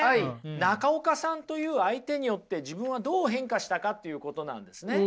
中岡さんという相手によって自分はどう変化したかっていうことなんですね。